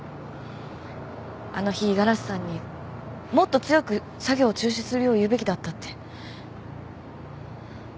あの日五十嵐さんにもっと強く作業中止するよう言うべきだったって。